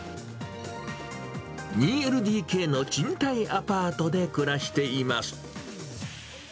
２ＬＤＫの賃貸アパートで暮らしています。